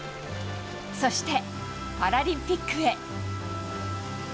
そしてパラリンピックへ。